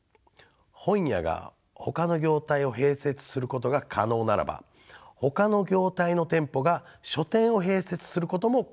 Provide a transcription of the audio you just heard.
本屋がほかの業態を併設することが可能ならばほかの業態の店舗が書店を併設することも可能だからです。